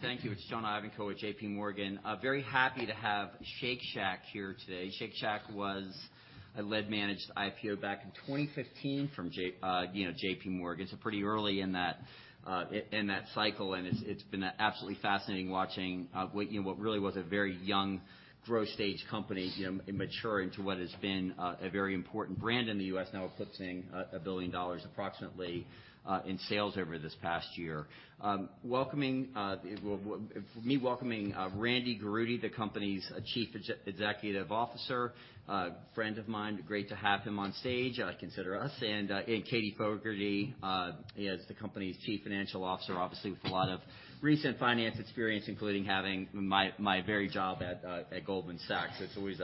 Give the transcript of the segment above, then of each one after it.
Thank you. It's John Ivankoe with JPMorgan. Very happy to have Shake Shack here today. Shake Shack was a lead managed IPO back in 2015 from, you know, JPMorgan. Pretty early in that in that cycle, and it's been absolutely fascinating watching what, you know, what really was a very young growth stage company, you know, mature into what has been a very important brand in the U.S. now eclipsing approximately $1 billion in sales over this past year. Welcoming. For me, welcoming Randy Garutti, the company's Chief Executive Officer, friend of mine, great to have him on stage, consider us, and Katherine Fogertey is the company's Chief Financial Officer, obviously, with a lot of recent finance experience, including having my very job at Goldman Sachs. It's always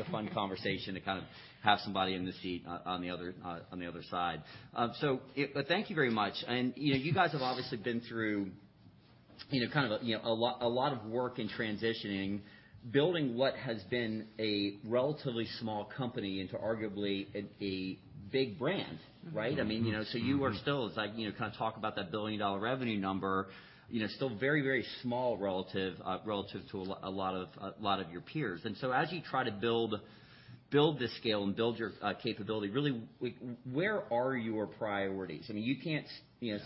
a fun conversation to kind of have somebody in the seat on the other, on the other side. Thank you very much. You know, you guys have obviously been through, you know, kind of a, you know, a lot of work in transitioning, building what has been a relatively small company into arguably a big brand, right? Mm-hmm. I mean, you know, you are still, as I, you know, kind of talk about that billion-dollar revenue number, you know, still very, very small relative to a lot of your peers. As you try to build this scale and build your capability, really where are your priorities? I mean, you can't you know,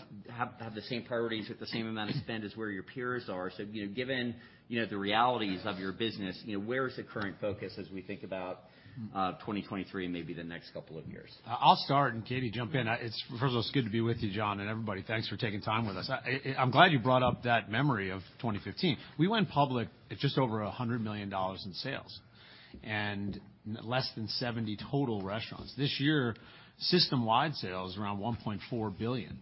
have the same priorities with the same amount of spend as where your peers are. You know, given, you know, the realities of your business, you know, where is the current focus as we think about 2023 and maybe the next couple of years? I'll start, Katie, jump in. It's, first of all, it's good to be with you, John, everybody. Thanks for taking time with us. I'm glad you brought up that memory of 2015. We went public at just over $100 million in sales and less than 70 total restaurants. This year, system-wide sales around $1.4 billion.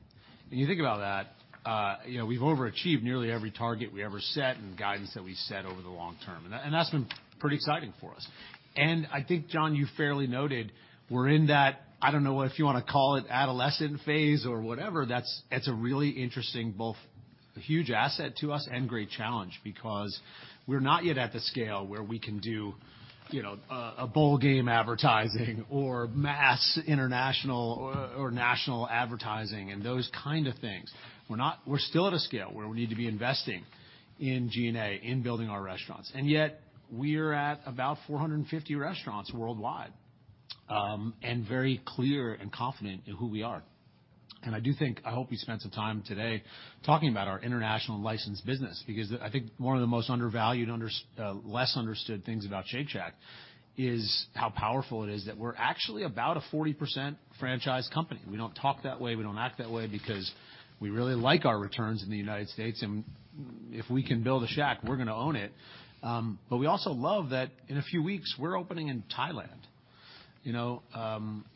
When you think about that, you know, we've overachieved nearly every target we ever set and guidance that we set over the long term. That's been pretty exciting for us. I think, John, you fairly noted we're in that, I don't know if you wanna call it adolescent phase or whatever, that's. It's a really interesting both huge asset to us and great challenge because we're not yet at the scale where we can do, you know, a bowl game advertising or mass international or national advertising and those kind of things. We're still at a scale where we need to be investing in G&A, in building our restaurants. Yet we're at about 450 restaurants worldwide, and very clear and confident in who we are. I do think, I hope we spend some time today talking about our international license business, because I think one of the most undervalued, less understood things about Shake Shack is how powerful it is that we're actually about a 40% franchise company. We don't talk that way, we don't act that way because we really like our returns in the United States, and if we can build a Shack, we're gonna own it. We also love that in a few weeks, we're opening in Thailand. You know,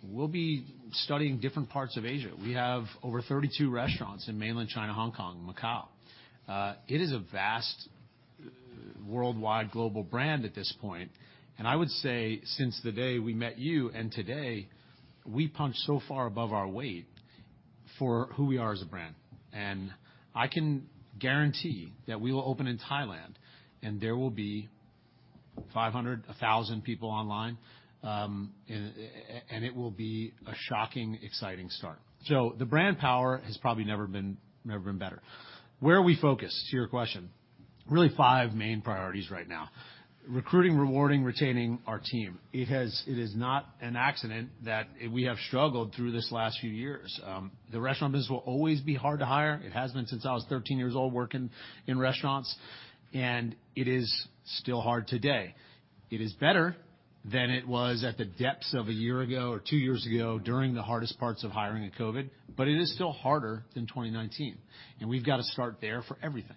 we'll be studying different parts of Asia. We have over 32 restaurants in mainland China, Hong Kong, and Macau. It is a vast worldwide global brand at this point, I would say since the day we met you and today, we punch so far above our weight for who we are as a brand. I can guarantee that we will open in Thailand, and there will be 500, 1,000 people online, and it will be a shocking, exciting start. The brand power has probably never been better. Where are we focused? To your question. Really 5 main priorities right now. Recruiting, rewarding, retaining our team. It is not an accident that we have struggled through this last few years. The restaurant business will always be hard to hire. It has been since I was 13 years old working in restaurants, and it is still hard today. It is better than it was at the depths of a year ago or 2 years ago during the hardest parts of hiring in COVID, but it is still harder than 2019, and we've got to start there for everything.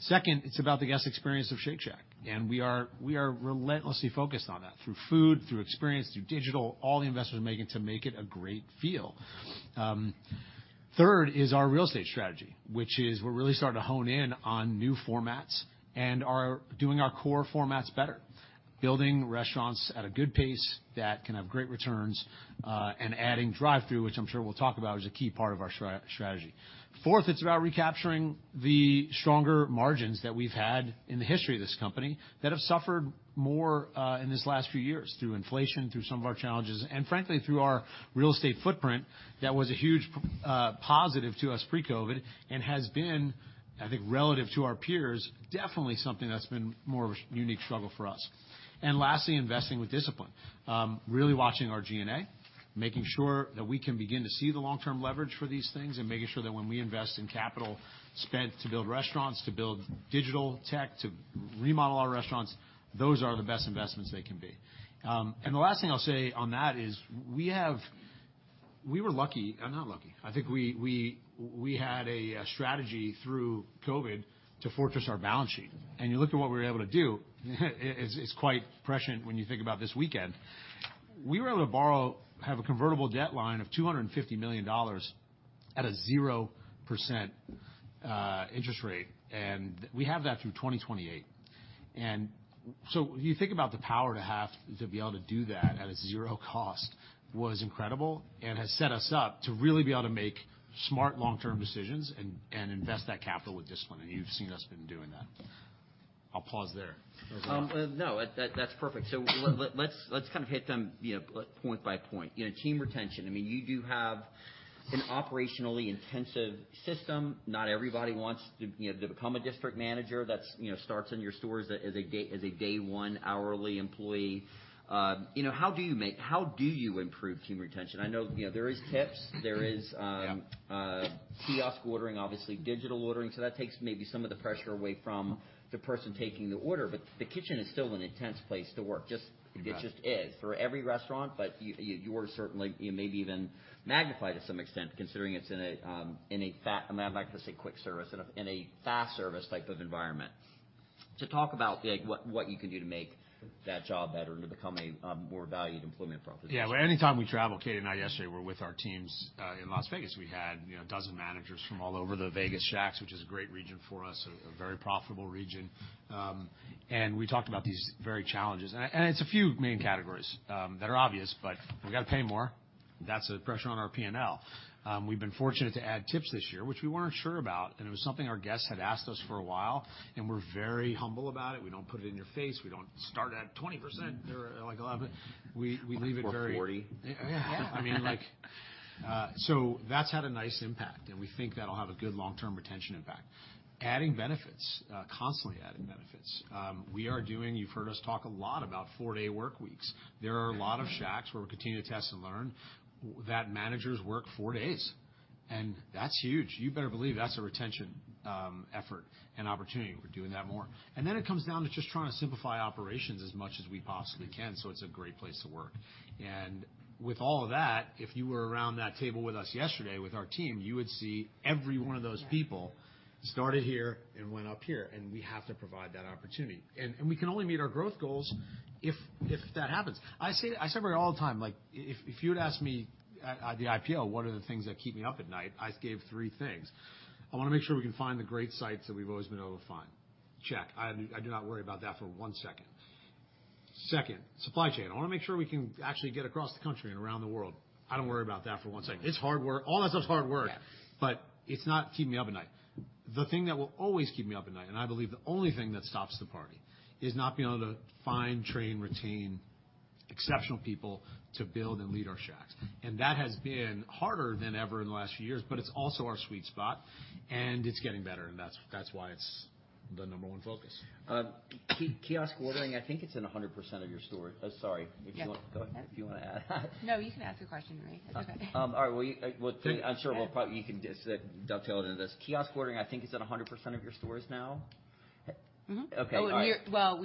Second, it's about the guest experience of Shake Shack, and we are relentlessly focused on that, through food, through experience, through digital, all the investments we're making to make it a great feel. Third is our real estate strategy, which is we're really starting to hone in on new formats and are doing our core formats better, building restaurants at a good pace that can have great returns, and adding drive-through, which I'm sure we'll talk about, is a key part of our strategy. Fourth, it's about recapturing the stronger margins that we've had in the history of this company that have suffered more in these last few years through inflation, through some of our challenges, and frankly, through our real estate footprint that was a huge positive to us pre-COVID and has been, I think, relative to our peers, definitely something that's been more of a unique struggle for us. Lastly, investing with discipline. Really watching our G&A, making sure that we can begin to see the long-term leverage for these things and making sure that when we invest in capital spend to build restaurants, to build digital tech, to remodel our restaurants, those are the best investments they can be. The last thing I'll say on that is we were lucky. Not lucky. I think we had a strategy through COVID to fortress our balance sheet. You look at what we were able to do is quite prescient when you think about this weekend. We were able to have a convertible debt line of $250 million at a 0% interest rate, and we have that through 2028. You think about the power to be able to do that at a zero cost was incredible and has set us up to really be able to make smart long-term decisions and invest that capital with discipline, and you've seen us been doing that. I'll pause there. No, that's perfect. Let's kind of hit them, you know, point by point. You know, team retention. I mean, you do have an operationally intensive system. Not everybody wants to, you know, to become a district manager that's, you know, starts in your stores as a day one hourly employee. You know, how do you improve team retention? I know, you know, there is tips. There is. Yeah. kiosk ordering, obviously digital ordering. That takes maybe some of the pressure away from the person taking the order. The kitchen is still an intense place to work. Yeah. it just is for every restaurant, but you are certainly, you may be even magnified to some extent, considering it's in a, in a fast... I'm not about to say quick service. In a fast service type of environment. Talk about like what you can do to make that job better to become a, more valued employment proposition. Yeah, anytime we travel, Katie and I yesterday were with our teams in Las Vegas. We had, you know, a dozen managers from all over the Vegas Shacks, which is a great region for us, a very profitable region. We talked about these very challenges. It's a few main categories, that are obvious, but we've got to pay more. That's a pressure on our P&L. We've been fortunate to add tips this year, which we weren't sure about, and it was something our guests had asked us for a while, and we're very humble about it. We don't put it in your face. We don't start at 20% or like 11. We leave it very- 440. Yeah. I mean, like. So that's had a nice impact, and we think that'll have a good long-term retention impact. Adding benefits, constantly adding benefits. You've heard us talk a lot about 4-day work weeks. There are a lot of Shacks where we're continuing to test and learn that managers work 4 days, and that's huge. You better believe that's a retention effort and opportunity. We're doing that more. Then it comes down to just trying to simplify operations as much as we possibly can, so it's a great place to work. With all of that, if you were around that table with us yesterday with our team, you would see every one of those people started here and went up here, and we have to provide that opportunity. We can only meet our growth goals if that happens. I say all the time, like, if you'd asked me at the IPO, what are the things that keep me up at night? I gave three things. I wanna make sure we can find the great sites that we've always been able to find. Check. I do not worry about that for one second. Second, supply chain. I wanna make sure we can actually get across the country and around the world. I don't worry about that for one second. It's hard work. All that stuff's hard work. Yeah. It's not keeping me up at night. The thing that will always keep me up at night, and I believe the only thing that stops the party, is not being able to find, train, retain exceptional people to build and lead our Shacks. That has been harder than ever in the last few years, but it's also our sweet spot, and it's getting better, and that's why it's the number 1 focus. kiosk ordering, I think it's in 100% of your store. Sorry. Yeah. If you want. Go ahead, if you wanna add. No, you can ask your question, Marie. It's okay. All right. I'm sure you can just dovetail it into this. Kiosk ordering, I think, is at 100% of your stores now? Mm-hmm. Okay. All right. Well,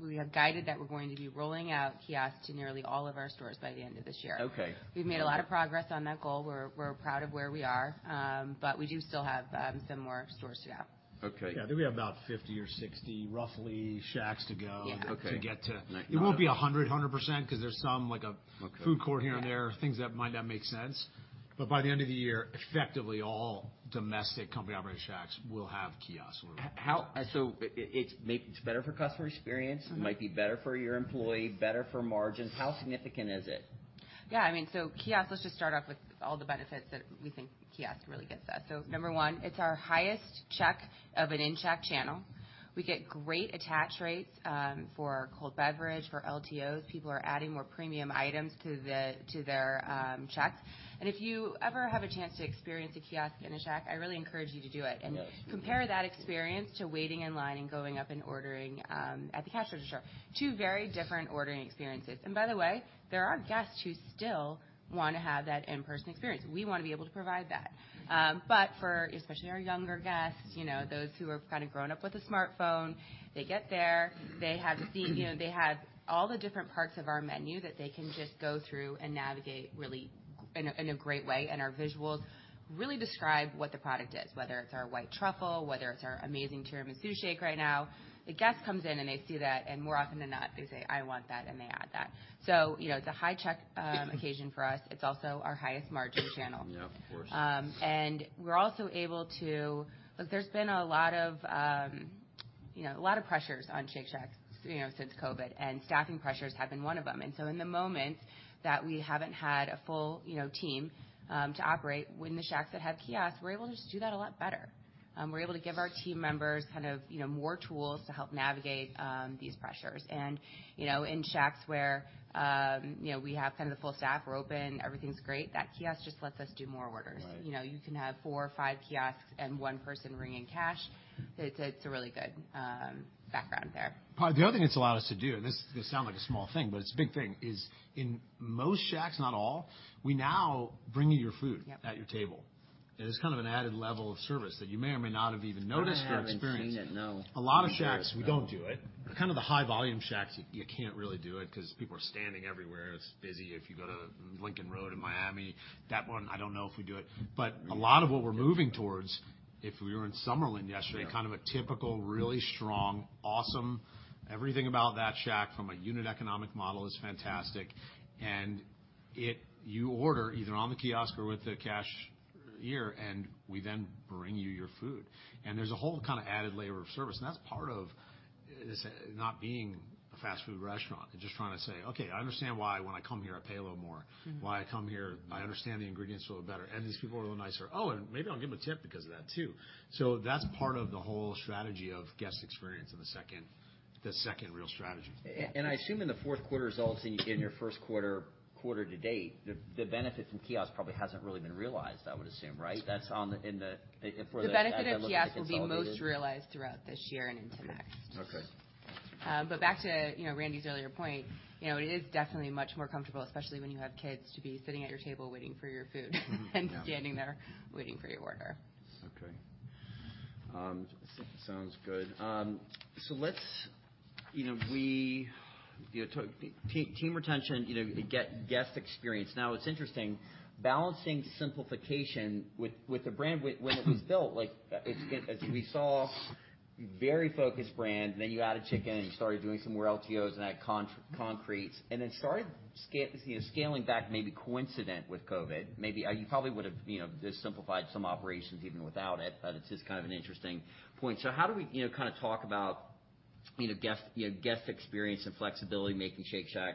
we have guided that we're going to be rolling out kiosks to nearly all of our stores by the end of this year. Okay. We've made a lot of progress on that goal. We're proud of where we are, but we do still have some more stores to go. Okay. Yeah. I think we have about 50 or 60, roughly Shacks to go. Yeah. Okay. It won't be 100% because there's some like. Okay. -food court here and there, things that might not make sense. By the end of the year, effectively all domestic company-operated Shacks will have kiosk ordering. It's maybe it's better for customer experience. Mm-hmm. It might be better for your employee, better for margins. How significant is it? I mean, kiosk, let's just start off with all the benefits that we think kiosk really gives us. Number one, it's our highest check of an in-Shack channel. We get great attach rates for cold beverage, for LTOs. People are adding more premium items to their checks. If you ever have a chance to experience a kiosk in a Shack, I really encourage you to do it. Yes. Compare that experience to waiting in line and going up and ordering at the cash register. Two very different ordering experiences. By the way, there are guests who still wanna have that in-person experience. We wanna be able to provide that. But for especially our younger guests, you know, those who have kind of grown up with a smartphone, they get there, they have seen, you know, they have all the different parts of our menu that they can just go through and navigate really in a, in a great way. Our visuals really describe what the product is, whether it's our White Truffle, whether it's our amazing Tiramisu Shake right now. The guest comes in and they see that, and more often than not, they say, "I want that," and they add that. You know, it's a high check occasion for us. It's also our highest margin channel. Yeah. Of course. We're also able to. Look, there's been a lot of, you know, a lot of pressures on Shake Shack, you know, since COVID, and staffing pressures have been one of them. In the moment that we haven't had a full, you know, team to operate, when the Shacks that have kiosks, we're able to just do that a lot better. We're able to give our team members kind of, you know, more tools to help navigate these pressures. In Shacks where, you know, we have kind of the full staff, we're open, everything's great, that kiosk just lets us do more orders. Right. You know, you can have four or five kiosks and one person ringing cash. It's a really good background there. The other thing it's allowed us to do, this is gonna sound like a small thing, but it's a big thing, is in most Shacks, not all, we now bring you your food. Yep. at your table. It's kind of an added level of service that you may or may not have even noticed or experienced. I haven't seen it, no. A lot of Shacks, we don't do it. Kind of the high volume Shacks, you can't really do it 'cause people are standing everywhere. It's busy. If you go to Lincoln Road in Miami, that one, I don't know if we do it. A lot of what we're moving towards, if we were in Summerlin yesterday. Yeah. -kind of a typical, really strong, awesome, everything about that Shack from a unit economic model is fantastic. You order either on the kiosk or with the cashier, and we then bring you your food. There's a whole kind of added layer of service, and that's part of this not being a fast food restaurant and just trying to say, "Okay, I understand why when I come here, I pay a little more. Why I come here, I understand the ingredients a little better, and these people are a little nicer. Oh, and maybe I'll give them a tip because of that too." That's part of the whole strategy of guest experience in the second real strategy. I assume in the fourth quarter results and in your first quarter to date, the benefit from kiosk probably hasn't really been realized, I would assume, right? The benefit of kiosk will be most realized throughout this year and into next. Okay. Back to, you know, Randy's earlier point, you know, it is definitely much more comfortable, especially when you have kids, to be sitting at your table waiting for your food than standing there waiting for your order. Okay. sounds good. let's, you know, You know, team retention, you know, guest experience. Now, what's interesting, balancing simplification with the brand when it was built, like, as we saw, very focused brand. you added chicken and you started doing some more LTOs and that concretes. Started, you know, scaling back, maybe coincident with COVID. You probably would have, you know, just simplified some operations even without it's just kind of an interesting point. how do we, you know, kind of talk about, you know, guest experience and flexibility making Shake Shack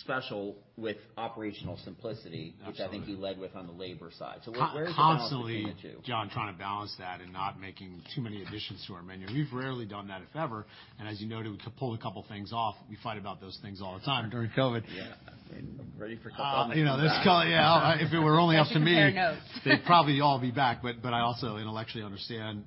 special with operational simplicity. Absolutely. -which I think you led with on the labor side. Where is the balance between the two? Constantly, John, trying to balance that and not making too many additions to our menu. We've rarely done that, if ever. As you noted, we pulled a couple things off. We fight about those things all the time during COVID. Yeah. I'm ready for a couple of them to come back. You know, this call, yeah, if it were only up to me... We should compare notes. they'd probably all be back. I also intellectually understand,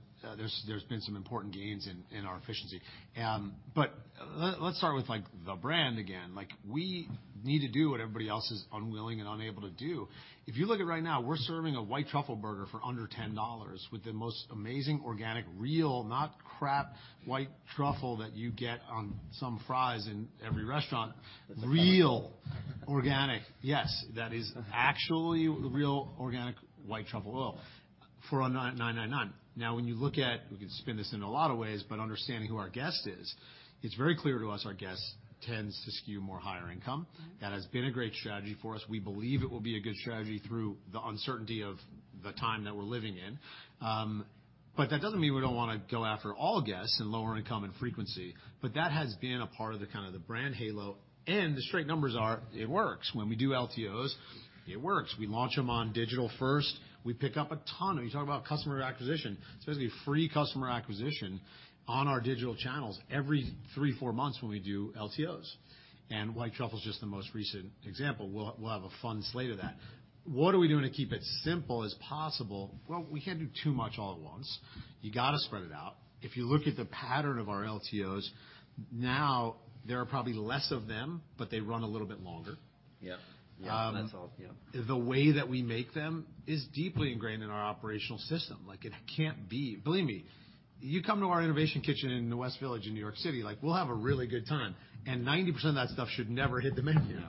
there's been some important gains in our efficiency. Let's start with, like, the brand again. Like, we need to do what everybody else is unwilling and unable to do. If you look at right now, we're serving a White Truffle Burger for under $10 with the most amazing organic, real, not crap white truffle that you get on some fries in every restaurant. Real organic. Yes, that is actually real organic white truffle oil for $9.99. When you look at, we can spin this in a lot of ways, but understanding who our guest is, it's very clear to us our guest tends to skew more higher income. Mm-hmm. That has been a great strategy for us. We believe it will be a good strategy through the uncertainty of the time that we're living in. That doesn't mean we don't wanna go after all guests in lower income and frequency. That has been a part of the kind of the brand halo, and the straight numbers are, it works. When we do LTOs, it works. We launch them on digital first. We pick up a ton. You talk about customer acquisition. It's basically free customer acquisition on our digital channels every 3, 4 months when we do LTOs. White Truffle is just the most recent example. We'll have a fun slate of that. What are we doing to keep it simple as possible? Well, we can't do too much all at once. You gotta spread it out. If you look at the pattern of our LTOs, now there are probably less of them, but they run a little bit longer. Yeah. That's all. Yeah. The way that we make them is deeply ingrained in our operational system. Believe me, you come to our innovation kitchen in the West Village in New York City, like, we'll have a really good time, and 90% of that stuff should never hit the menu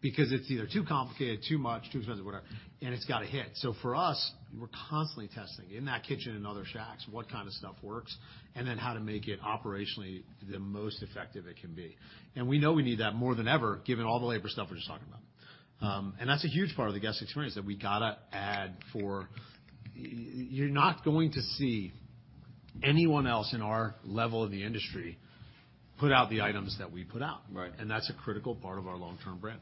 because it's either too complicated, too much, too expensive, whatever, and it's gotta hit. For us, we're constantly testing in that kitchen and other Shacks, what kind of stuff works, and then how to make it operationally the most effective it can be. We know we need that more than ever, given all the labor stuff we're just talking about. That's a huge part of the guest experience that we gotta add for. You're not going to see anyone else in our level of the industry put out the items that we put out. Right. That's a critical part of our long-term brand.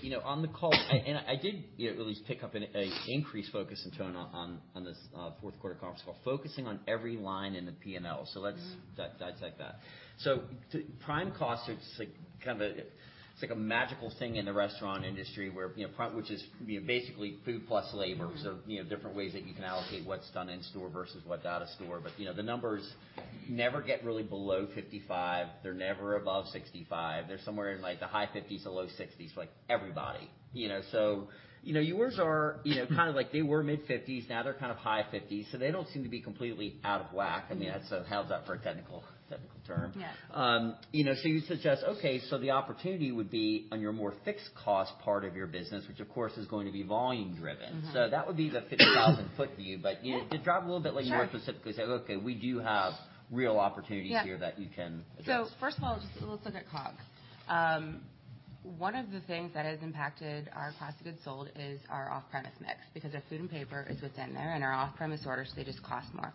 You know, on the call, I did, you know, at least pick up an increased focus and tone on this fourth quarter conference call, focusing on every line in the P&L. Mm-hmm. digest that. prime costs. It's like a magical thing in the restaurant industry where, you know, which is, you know, basically food plus labor. Mm-hmm. You know, different ways that you can allocate what's done in store versus what's out of store. You know, the numbers never get really below 55%. They're never above 65%. They're somewhere in, like, the high 50s% to low 60s%, like everybody, you know? You know, yours are, you know, kind of like they were mid-50s%, now they're kind of high 50s%, so they don't seem to be completely out of whack. Mm-hmm. I mean, that's how's that for a technical term? Yeah. You know, you suggest, okay, so the opportunity would be on your more fixed cost part of your business, which of course is going to be volume driven. Mm-hmm. That would be the 50,000 foot view. You know, to drop a little bit like. Sure. more specifically say, "Okay, we do have real opportunities here that you can address. First of all, just let's look at COGS. One of the things that has impacted our cost of goods sold is our off-premise mix, because if food and paper is what's in there, and our off-premise orders, they just cost more.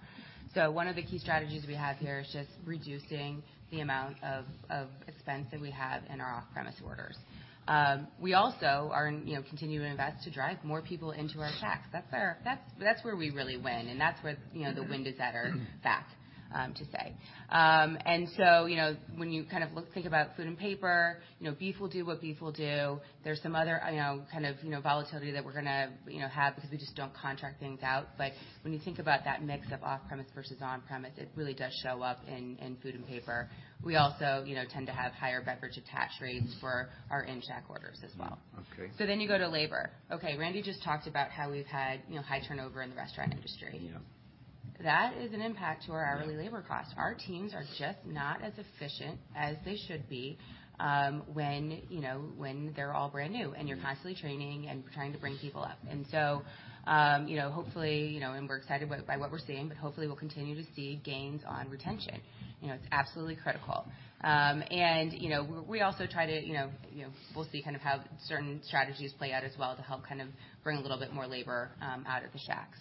One of the key strategies we have here is just reducing the amount of expense that we have in our off-premise orders. We also are, you know, continuing to invest to drive more people into our Shacks. That's where we really win, and that's where, you know, the wind is at our back, to say. When you kind of think about food and paper, you know, beef will do what beef will do. There's some other, you know, kind of, you know, volatility that we're gonna, you know, have because we just don't contract things out. When you think about that mix of off-premise versus on-premise, it really does show up in food and paper. We also, you know, tend to have higher beverage attach rates for our in-Shack orders as well. Okay. You go to labor. Okay, Randy just talked about how we've had, you know, high turnover in the restaurant industry. Yeah. That is an impact to our hourly labor cost. Our teams are just not as efficient as they should be, when, you know, when they're all brand new and you're constantly training and trying to bring people up. You know, hopefully, you know, and we're excited by what we're seeing, but hopefully we'll continue to see gains on retention. You know, it's absolutely critical. You know, we also try to, you know, you know, we'll see kind of how certain strategies play out as well to help kind of bring a little bit more labor, out of the Shacks.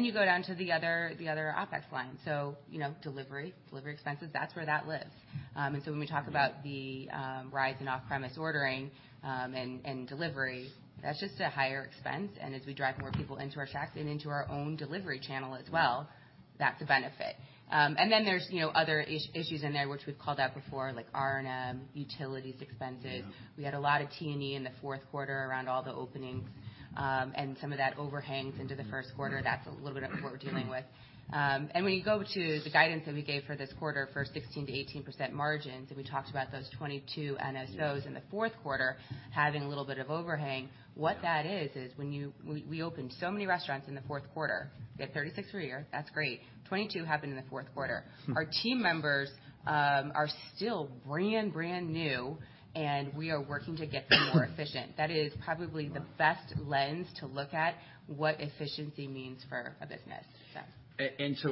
You go down to the other OpEx line. You know, delivery expenses, that's where that lives. When we talk about the rise in off-premise ordering, and delivery, that's just a higher expense. As we drive more people into our Shacks and into our own delivery channel as well, that's a benefit. There's, you know, other issues in there which we've called out before, like R&M, utilities expenses. Yeah. We had a lot of T&E in the fourth quarter around all the openings. Some of that overhangs into the first quarter. That's a little bit of what we're dealing with. When you go to the guidance that we gave for this quarter for 16%-18% margins, we talked about those 22 NSOs in the fourth quarter having a little bit of overhang. What that is when we opened so many restaurants in the fourth quarter. We had 36 for a year. That's great. 22 happened in the fourth quarter. Our team members are still brand new. We are working to get them more efficient. That is probably the best lens to look at what efficiency means for our business, so. You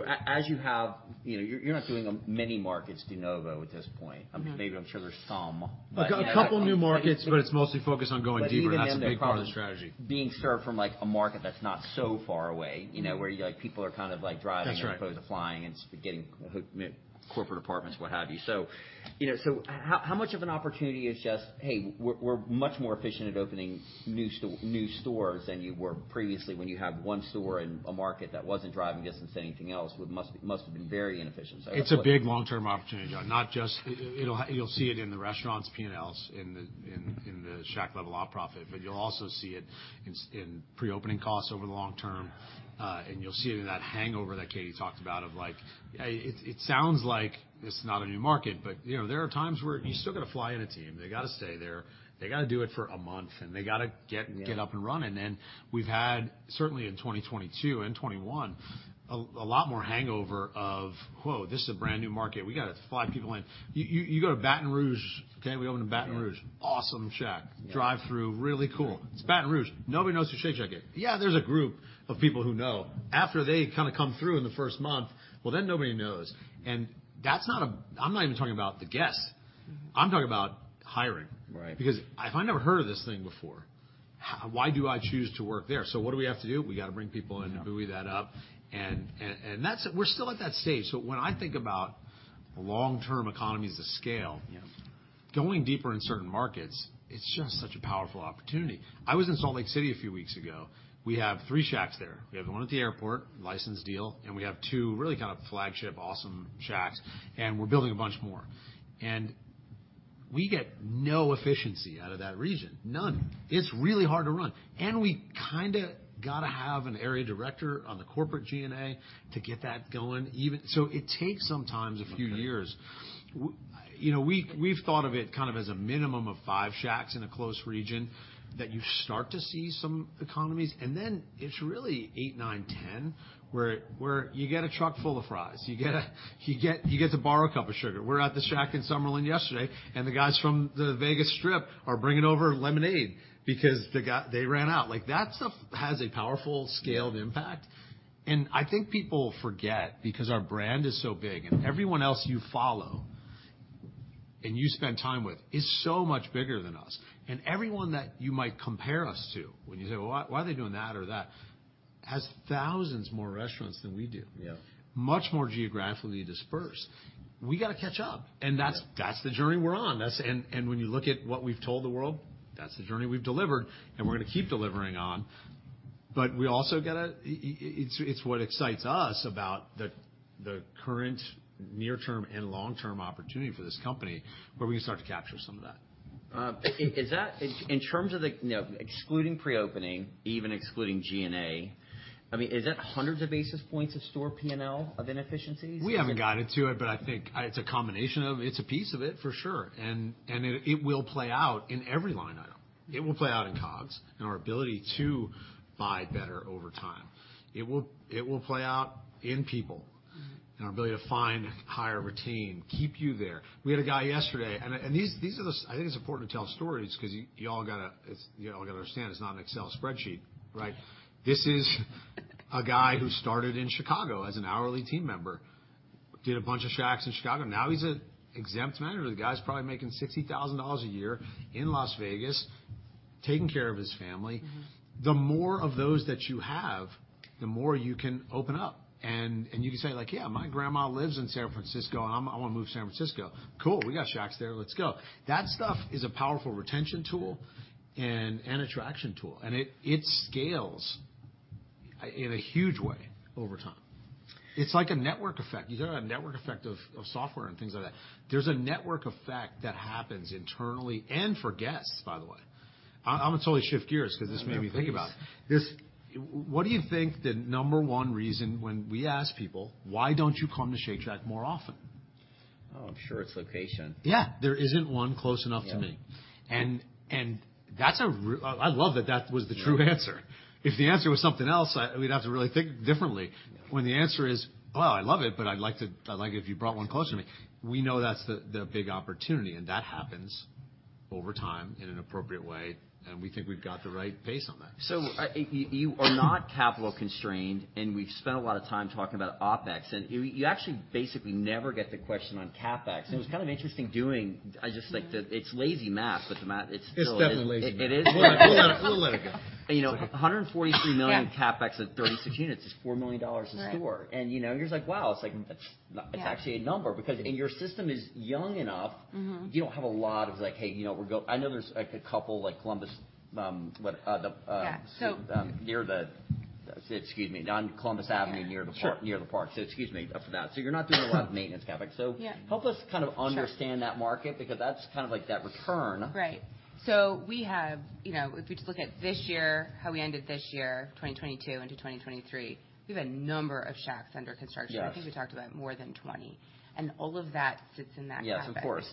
know, you're not doing many markets de novo at this point. No. maybe I'm sure there's some. you know. A couple new markets, but it's mostly focused on going deeper, and that's a big part of the strategy. even then, they're probably being served from, like, a market that's not so far away, you know, where you, like, people are kind of, like. That's right. ...as opposed to flying and getting corporate apartments, what have you. You know, how much of an opportunity is just, hey, we're much more efficient at opening new stores than you were previously when you had one store in a market that wasn't driving distance to anything else? It must have been very inefficient. what It's a big long-term opportunity, John. Not just... It'll, you'll see it in the restaurant's P&Ls, in the Shack level op profit. You'll also see it in pre-opening costs over the long term. You'll see it in that hangover that Katie talked about of, like... It sounds like it's not a new market, but, you know, there are times where you still gotta fly in a team. They gotta stay there. They gotta do it for a month, and they gotta. Yeah ...get up and running. We've had, certainly in 2022 and 2021, a lot more hangover of, whoa, this is a brand-new market. We gotta fly people in. You go to Baton Rouge, okay? We opened in Baton Rouge. Yeah. Awesome Shack. Yeah. Drive-through, really cool. It's Baton Rouge. Nobody knows what's Shake Shack is. Yeah, there's a group of people who know. After they kinda come through in the first month, well, then nobody knows. That's not I'm not even talking about the guests. Mm-hmm. I'm talking about hiring. Right. If I never heard of this thing before, why do I choose to work there? What do we have to do? We gotta bring people in to buoy that up. That's, we're still at that stage. When I think about long-term economies of scale. Yeah ...going deeper in certain markets, it's just such a powerful opportunity. I was in Salt Lake City a few weeks ago. We have 3 Shacks there. We have the 1 at the airport, licensed deal, and we have 2 really kinda flagship awesome Shacks, and we're building a bunch more. We get no efficiency out of that region. None. It's really hard to run. We kinda gotta have an area director on the corporate G&A to get that going. It takes sometimes a few years. You know, we've thought of it kind of as a minimum of 5 Shacks in a close region that you start to see some economies, and then it's really 8, 9, 10, where you get a truck full of fries. You get to borrow a cup of sugar. We're at the Shack in Summerlin yesterday, and the guys from the Vegas Strip are bringing over lemonade because they ran out. Like, that stuff has a powerful scale impact. I think people forget because our brand is so big and everyone else you follow and you spend time with is so much bigger than us. Everyone that you might compare us to, when you say, "Well, why are they doing that or that?" Has thousands more restaurants than we do. Yeah. Much more geographically dispersed. We gotta catch up. Yeah. That's the journey we're on. When you look at what we've told the world, that's the journey we've delivered, and we're gonna keep delivering on. It's what excites us about the current near-term and long-term opportunity for this company, where we can start to capture some of that. Is that, in terms of the, you know, excluding pre-opening, even excluding G&A, I mean, is that hundreds of basis points of store P&L of inefficiencies? Or is it? We haven't got it to it. I think it's a combination of. It's a piece of it for sure. It will play out in every line item. It will play out in COGS and our ability to buy better over time. It will play out in people. Mm-hmm ...and our ability to find, hire, retain, keep you there. We had a guy yesterday. I think it's important to tell stories 'cause you all gotta, it's, you know, got to understand it's not an Excel spreadsheet, right? This is a guy who started in Chicago as an hourly team member. Did a bunch of Shacks in Chicago. He's a exempt manager. The guy's probably making $60,000 a year in Las Vegas, taking care of his family. Mm-hmm. The more of those that you have, the more you can open up, and you can say like, "Yeah, my grandma lives in San Francisco, and I'm, I wanna move to San Francisco." Cool. We got Shacks there, let's go. That stuff is a powerful retention tool and an attraction tool, and it scales in a huge way over time. It's like a network effect. You talk about a network effect of software and things like that. There's a network effect that happens internally and for guests, by the way. I'ma totally shift gears 'cause this made me think about it. What do you think the number one reason when we ask people, "Why don't you come to Shake Shack more often? Oh, I'm sure it's location. Yeah. There isn't one close enough to me. Yeah. And that's I love that that was the true answer. If the answer was something else, we'd have to really think differently. When the answer is, "Well, I love it, but I'd like it if you brought one close to me," we know that's the big opportunity, and that happens over time in an appropriate way, and we think we've got the right pace on that. You are not capital constrained, and we've spent a lot of time talking about OpEx, and you actually basically never get the question on CapEx. It was kind of interesting doing. It's lazy math. It's definitely lazy math. It is? We'll let it go. You know, $143 million CapEx at 36 units is $4 million a store. Right. you know, you're just like, "Wow," it's like that's actually a number and your system is young enough- Mm-hmm. You don't have a lot of, like, hey, you know, I know there's, like, a couple like Columbus, what, the. Yeah. Excuse me, on Columbus Avenue near the park- Sure. Near the park. Excuse me for that. You're not doing a lot of maintenance CapEx. Yeah. help us kind of understand that market because that's kind of like that return. Right. we have, you know, if we just look at this year, how we ended this year, 2022 into 2023, we have a number of Shacks under construction. Yes. I think we talked about more than 20. All of that sits in that CapEx spend. Yes, of course.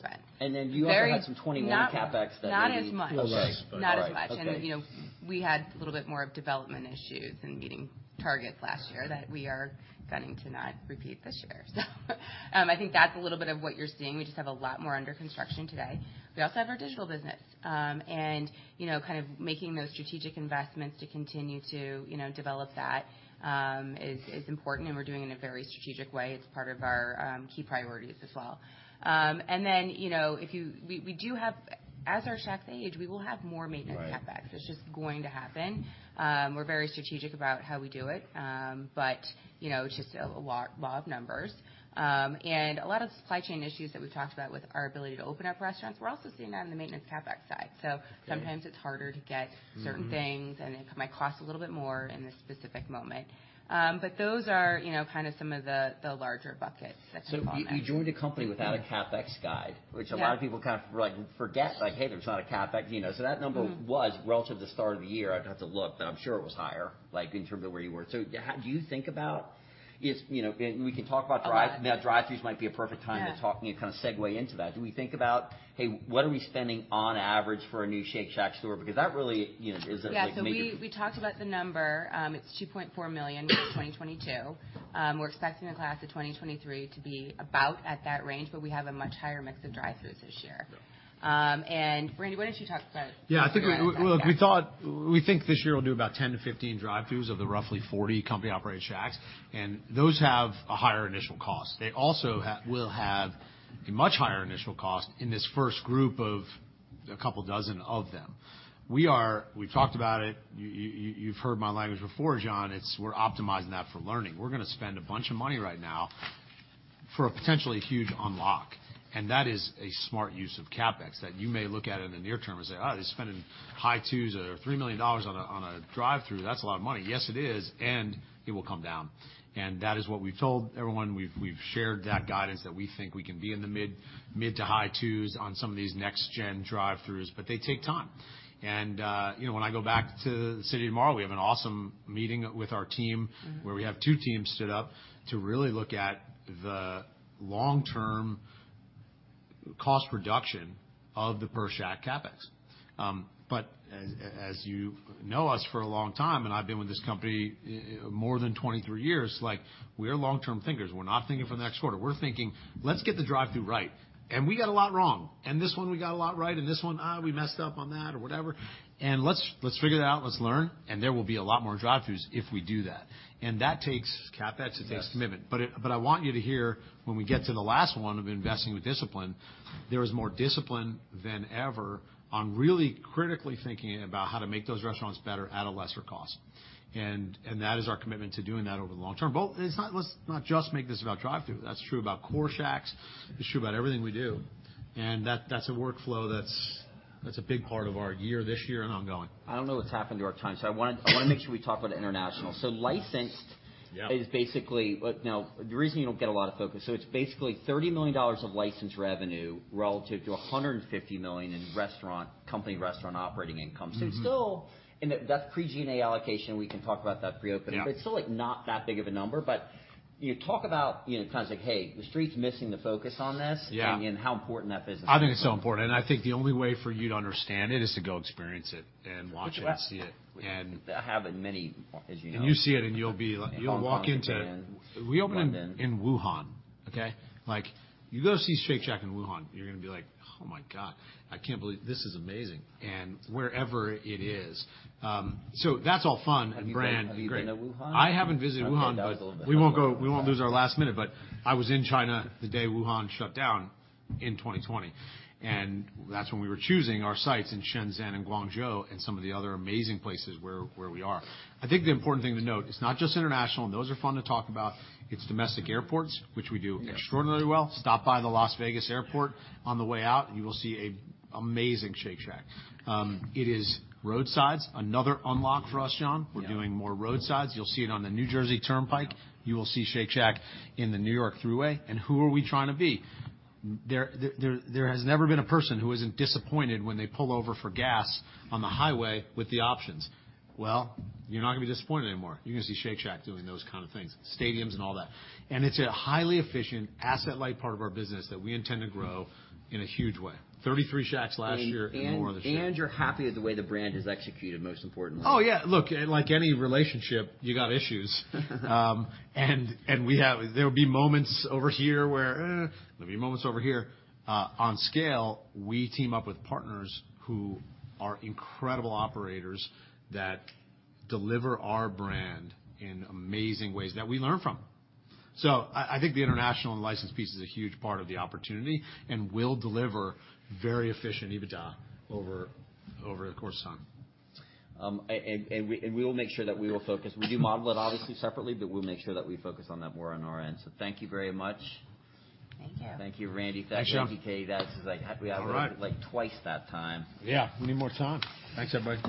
You also had some 2021 CapEx that- Not as much. A little less. All right. Okay. Not as much. Then, you know, we had a little bit more of development issues and meeting targets last year that we are going to not repeat this year. I think that's a little bit of what you're seeing. We just have a lot more under construction today. We also have our digital business. You know, kind of making those strategic investments to continue to, you know, develop that, is important, and we're doing it in a very strategic way. It's part of our key priorities as well. Then, you know, we do have. As our Shacks age, we will have more maintenance CapEx. Right. It's just going to happen. We're very strategic about how we do it. You know, it's just a lot of numbers. A lot of supply chain issues that we've talked about with our ability to open up restaurants, we're also seeing that on the maintenance CapEx side. Sometimes it's harder to get certain things, and it might cost a little bit more in this specific moment. Those are, you know, kind of some of the larger buckets that come on that. You joined a company without a CapEx? Yeah. A lot of people kind of like forget. Like, hey, there's not a CapEx, you know? That number was relative to start of the year, I'd have to look, but I'm sure it was higher, like in terms of where you were. do you think about is, you know... we can talk about drive-. A lot. Drive-throughs might be a perfect time to talk and kind of segue into that. Do we think about, hey, what are we spending on average for a new Shake Shack store? Because that really, you know, is a, like. Yeah. We talked about the number. It's $2.4 million for 2022. We're expecting the class of 2023 to be about at that range. We have a much higher mix of drive-throughs this year. Yeah. Randy, why don't you talk about kind of that gap? Yeah. I think we think this year we'll do about 10-15 drive-throughs of the roughly 40 company-operated Shacks. Those have a higher initial cost. They also will have a much higher initial cost in this first group of a couple dozen of them. We've talked about it. You've heard my language before, John. It's we're optimizing that for learning. We're gonna spend a bunch of money right now for a potentially huge unlock, and that is a smart use of CapEx that you may look at in the near term and say, "Oh, they're spending high $2 million-$3 million on a drive-through. That's a lot of money." Yes, it is, and it will come down. That is what we've told everyone. We've shared that guidance that we think we can be in the mid to high twos on some of these next gen drive-throughs, but they take time. You know, when I go back to the city tomorrow, we have an awesome meeting with our team. Mm-hmm. Where we have two teams stood up to really look at the long-term cost reduction of the per Shack CapEx. as you know us for a long time, and I've been with this company, more than 23 years, like, we're long-term thinkers. We're not thinking for the next quarter. We're thinking, "Let's get the drive-through right." We got a lot wrong. This one, we got a lot right. This one, we messed up on that or whatever. Let's figure it out, let's learn, and there will be a lot more drive-throughs if we do that. That takes CapEx, it takes commitment. I want you to hear when we get to the last one of investing with discipline, there is more discipline than ever on really critically thinking about how to make those restaurants better at a lesser cost. That is our commitment to doing that over the long term. Let's not just make this about drive-through. That's true about core Shacks. It's true about everything we do. That's a workflow that's a big part of our year this year and ongoing. I don't know what's happened to our time, so I wanna make sure we talk about international. Yeah. So licensed- Yeah. Now the reason you don't get a lot of focus, it's basically $30 million of licensed revenue relative to $150 million in restaurant, company restaurant operating income. Mm-hmm. Still, and that's pre-G&A allocation. We can talk about that pre-opening. Yeah. It's still, like, not that big of a number. You talk about, you know, kind of like, hey, the street's missing the focus on this. Yeah. How important that business is. I think it's so important, and I think the only way for you to understand it is to go experience it and watch it and see it. I have in many, as you know. You see it, and you'll be like, you'll walk into. Hong Kong, Japan. We opened in Wuhan. Okay? Like, you go see Shake Shack in Wuhan, you're gonna be like, "Oh my God, I can't believe... This is amazing." Wherever it is, that's all fun and brand. Great. Have you been to Wuhan? I haven't visited Wuhan. Okay. I was a little bit worried. We won't lose our last minute, but I was in China the day Wuhan shut down in 2020, that's when we were choosing our sites in Shenzhen and Guangzhou and some of the other amazing places where we are. I think the important thing to note, it's not just international, and those are fun to talk about. It's domestic airports, which we do extraordinarily well. Yeah. Stop by the Las Vegas airport on the way out, you will see a amazing Shake Shack. It is roadsides, another unlock for us, John. Yeah. We're doing more roadsides. You'll see it on the New Jersey Turnpike. Yeah. You will see Shake Shack in the New York Thruway. Who are we trying to be? There has never been a person who isn't disappointed when they pull over for gas on the highway with the options. Well, you're not gonna be disappointed anymore. You're gonna see Shake Shack doing those kind of things, stadiums and all that. It's a highly efficient, asset light part of our business that we intend to grow in a huge way. 33 Shacks last year and more this year. You're happy with the way the brand has executed, most importantly? Oh, yeah. Look, like any relationship, you got issues. and we have... There'll be moments over here where, there'll be moments over here. on scale, we team up with partners who are incredible operators that deliver our brand in amazing ways that we learn from. I think the international and license piece is a huge part of the opportunity and will deliver very efficient EBITDA over the course of time. We will make sure that we will focus. We do model it obviously separately, but we'll make sure that we focus on that more on our end. Thank you very much. Thank you. Thank you, Randy. Thanks, y'all. Thank you, Katie. That's like, we have like twice that time. We need more time. Thanks, everybody.